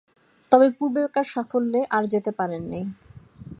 তবে পূর্বেকার সাফল্যে আর যেতে পারেননি।